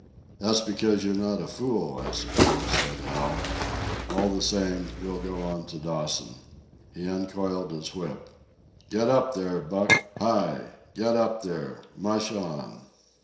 "That's because you're not a fool, I suppose," said Hal. "All the same, we'll go on to Dawson." He uncoiled his whip. "Get up there, Buck! Hi! Get up there! Mush on!"